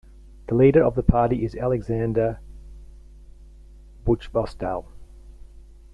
The leader of the party is Alexander Buchvostau.